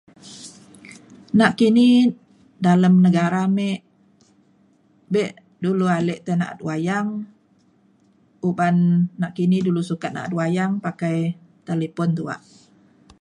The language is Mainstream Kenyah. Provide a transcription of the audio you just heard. nakini dalem negara me be dulu ale tai na’at wayang uban nakini dulu sakat na’at wayang pakai talipon tuak